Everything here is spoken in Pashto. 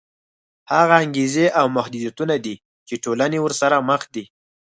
هغه انګېزې او محدودیتونه دي چې ټولنې ورسره مخ دي.